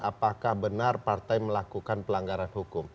apakah benar partai melakukan pelanggaran hukum